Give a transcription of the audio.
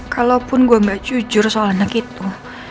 kalaupun gue gak jujur soal anak itu